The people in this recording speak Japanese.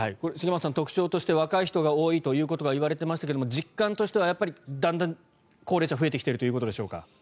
茂松さん、特徴として若い人が多いということがいわれていましたけど実感としては、だんだん高齢者が増えてきているということでしょうか？